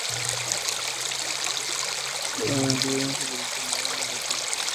Candace Wiggins evolucionó en Europa.